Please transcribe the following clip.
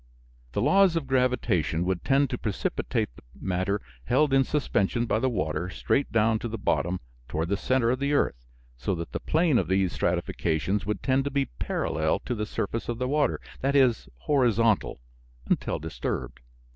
The laws of gravitation would tend to precipitate the matter held in suspension by the water straight down to the bottom, toward the center of the earth, so that the plane of these stratifications would tend to be parallel to the surface of the water, that is horizontal, until disturbed.